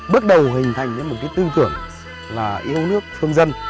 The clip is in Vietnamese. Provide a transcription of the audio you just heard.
bước đầu hình thành nên một cái tư tưởng là yêu nước thương dân